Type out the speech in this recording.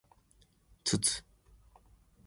つつ